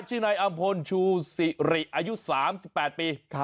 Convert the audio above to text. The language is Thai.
ชื่อในอัมพลชูศิริอายุ๓๘ปี